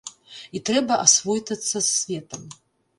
І трэба асвойтацца з светам.